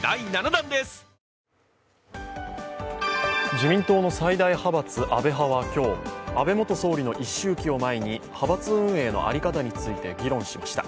自民党の最大派閥、安倍派は今日安倍元総理の一周忌を前に派閥運営のあり方について議論しました。